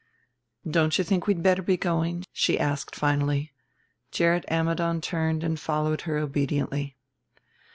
"Don't you think we'd better be going?" she asked finally. Gerrit Ammidon turned and followed her obediently.